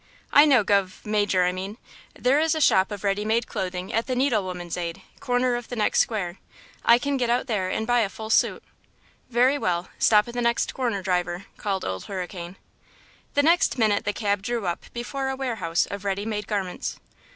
"I know, gov–major, I mean. There is a shop of ready made clothing at the Needle Woman's Aid, corner of the next square. I can get out there and buy a full suit." "Very well. Stop at the next corner, driver," called Old Hurricane. The next minute the cab drew up before a warehouse of ready made garments.